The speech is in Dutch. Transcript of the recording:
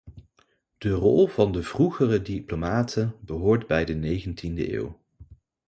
De rol van de vroegere diplomaten behoort bij de negentiende eeuw.